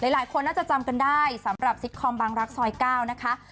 หลายคนน่าจะจำกันได้สำหรับซิตคอมบางรักซอย๙นะคะ